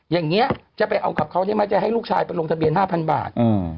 อย่างนี้จะไปเอากับเขาได้ไหมจะให้ลูกชายไปลงทะเบียน๕๐๐บาท